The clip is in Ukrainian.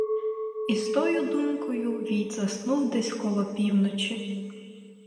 І з тою думкою війт заснув десь коло півночі.